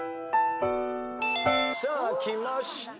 さあきました